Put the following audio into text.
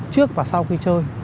trước và sau khi chơi